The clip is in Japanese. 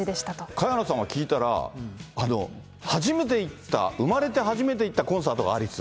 萱野さんは聞いたら、あの、初めて行った生まれて初めて行ったコンサートがアリス？